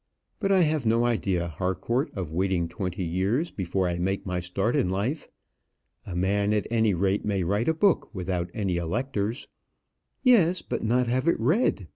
But I have no idea, Harcourt, of waiting twenty years before I make my start in life. A man at any rate may write a book without any electors." "Yes, but not have it read.